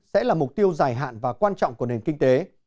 sẽ là mục tiêu dài hạn và quan trọng của nền kinh tế